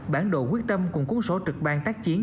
bản đồ quyết tâm cùng cuốn sổ trực ban tác chiến